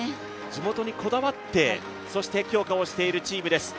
地元にこだわって強化しているチームです。